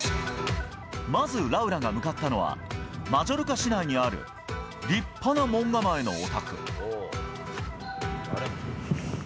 まず、ラウラが向かったのはマジョルカ市内にある立派な門構えのお宅。